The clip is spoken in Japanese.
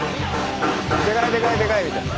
でかいでかいでかいみたいな。